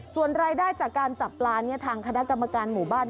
ส่วนรายได้จากการจับปลาเนี่ยทางคณะกรรมการหมู่บ้าน